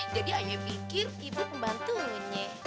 jadi ayah pikir ibu pembantunya